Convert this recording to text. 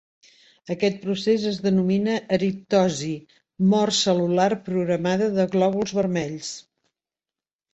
Aquest procés es denomina eriptosi, mort cel·lular programada de glòbuls vermells.